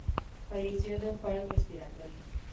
Falleció de un paro respiratorio.